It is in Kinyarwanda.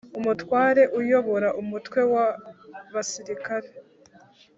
Umutware uyobora umutwe w abasirikare